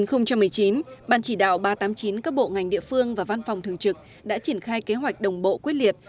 năm hai nghìn một mươi chín ban chỉ đạo ba trăm tám mươi chín các bộ ngành địa phương và văn phòng thường trực đã triển khai kế hoạch đồng bộ quyết liệt